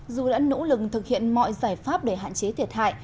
dù đã nỗ lực thực hiện mọi giải pháp để hạn chế thiệt hại